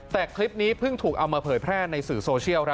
แต่คลิปนี้เพิ่งถูกเอามาเผยแพร่ในสื่อโซเชียล